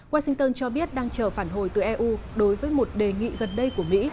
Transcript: washington cho biết đang chờ phản hồi từ eu đối với một đề nghị gần đây của mỹ